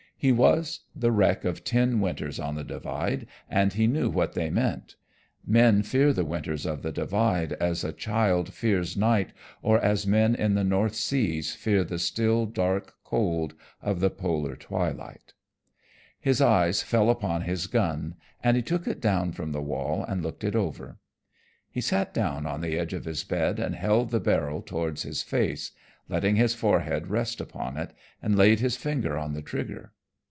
He was the wreck of ten winters on the Divide and he knew what they meant. Men fear the winters of the Divide as a child fears night or as men in the North Seas fear the still dark cold of the polar twilight. His eyes fell upon his gun, and he took it down from the wall and looked it over. He sat down on the edge of his bed and held the barrel towards his face, letting his forehead rest upon it, and laid his finger on the trigger.